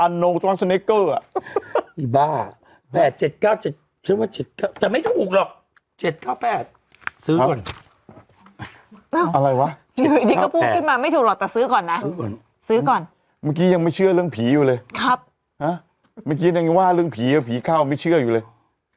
อันนูตรงสเนคเกอร์อ่ะอีบ้าแปดเจ็ดเก้าเจ็ดเชื่อว่าเจ็ดเก้า